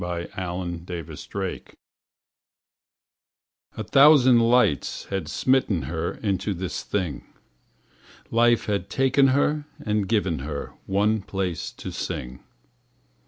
To a Cabaret Dancer A THOUSAND lights had smitten her Into this thing; Life had taken her and given her One place to sing.